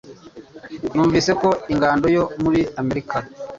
Numvise ko ingando yo muri Amerika